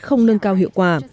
không nâng cao hiệu quả